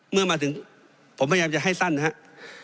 เมื่อมาถึงผมพยายามจะให้สั้นนะครับ